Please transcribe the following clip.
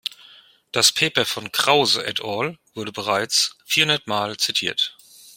Das Paper von Krause et al. wurde bereits vierhundertmal zitiert.